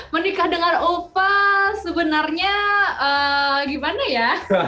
menikah dengan opa sebenarnya gimana ya